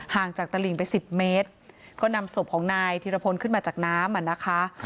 จากตลิงไป๑๐เมตรก็นำศพของนายธิรพลขึ้นมาจากน้ำอ่ะนะคะ